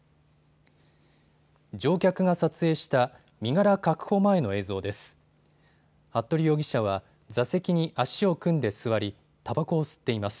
乗客が撮影した身柄確保前の映像です。